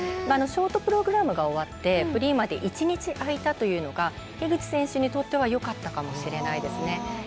ショートプログラムが終わってフリーまで１日あいたというのが樋口選手にとってはよかったかもしれないですね。